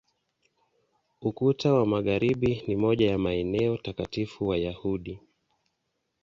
Ukuta wa Magharibi ni moja ya maeneo takatifu Wayahudi.